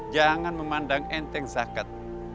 jangan memandang enteng zakat